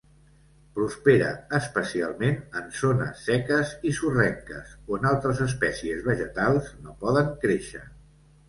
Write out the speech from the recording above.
Prospera especialment en zones seques i sorrenques on altres espècies vegetals no poden créixer.